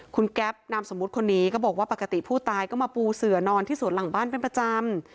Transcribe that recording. คุณแก๊ปนามสมมุติคนนี้ก็บอกว่าปกติผู้ตายก็มาปูเสือนอนที่สวนหลังบ้านเป็นประจำ